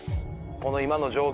この今の状況